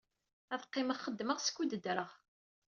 Ad qqimeɣ xeddmeɣ skud ddreɣ.